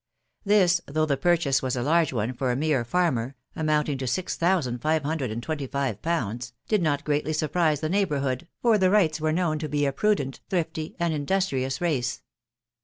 This, though the purchase was a large one for a mere farmer (amounting to six thousand five hundred and twenty five pounds), did not greatly surprise the neighbourhood, for the Wrights were known to be a prudent, thrifty, and industrious race.